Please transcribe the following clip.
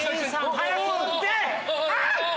早く取って！